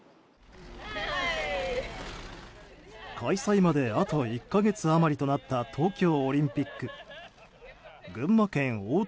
開催まであと１か月あまりとなった東京オリンピック。